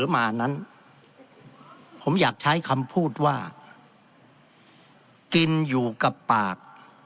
มานั้นผมอยากใช้คำพูดว่ากินอยู่กับปาก